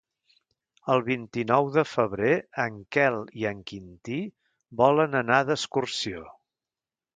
El vint-i-nou de febrer en Quel i en Quintí volen anar d'excursió.